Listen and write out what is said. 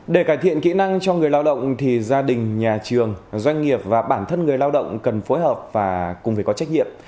để cải thiện kỹ năng cho người lao động thì gia đình nhà trường doanh nghiệp và bản thân người lao động cần phối hợp và cùng phải có trách nhiệm